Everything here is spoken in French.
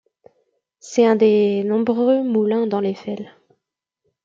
C'est un des nombreux moulins dans l'Eifel.